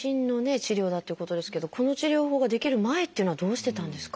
治療だということですけどこの治療法が出来る前というのはどうしてたんですか？